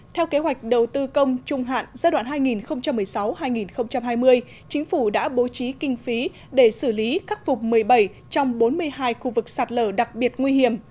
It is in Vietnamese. theo kế hoạch đầu tư công trung hạn giai đoạn hai nghìn một mươi sáu hai nghìn hai mươi chính phủ đã bố trí kinh phí để xử lý khắc phục một mươi bảy trong bốn mươi hai khu vực sạt lở đặc biệt nguy hiểm